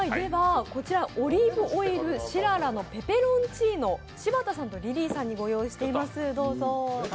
こちら、オリーブオイルしららのペペロンチーノ、柴田さんとリリーさんにご用意しています、どうぞ。